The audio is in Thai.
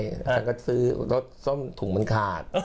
ฉันก็ซื้อรถส้มถุงมันขาด